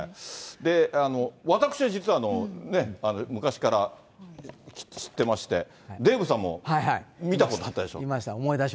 私、実はね、昔から知ってまして、デーブさんも見たことあったでしょ。